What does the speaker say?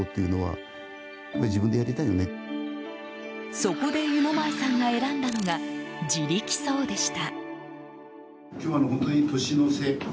そこで、湯前さんが選んだのが自力葬でした。